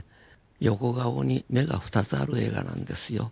横顔に目が２つある映画なんですよ。